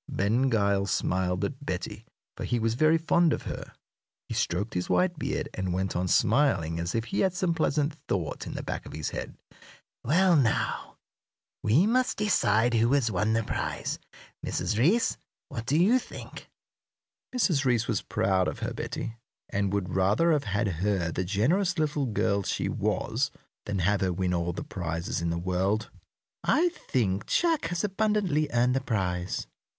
Ben Gile smiled at Betty, for he was very fond of her. He stroked his white beard, and went on smiling as if he had some pleasant thought in the back of his head. "Well, now, we must decide who has won the prize. Mrs. Reece, what do you think?" Mrs. Reece was proud of her Betty, and would rather have had her the generous little girl she was than have her win all the prizes in the world. "I think Jack has abundantly earned the prize."